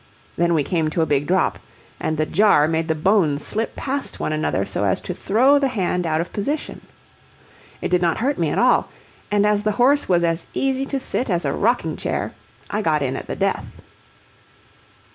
Then we came to a big drop, and the jar made the bones slip past one another so as to throw the hand out of position. It did not hurt me at all, and as the horse was as easy to sit as a rocking chair, I got in at the death.